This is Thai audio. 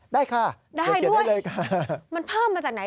ได้ค่ะเดี๋ยวเขียนได้เลยค่ะได้ด้วยมันเพิ่มมาจากไหน